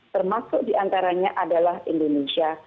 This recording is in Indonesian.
termasuk di antaranya adalah indonesia